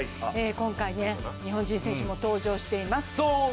今回、日本人選手も登場しています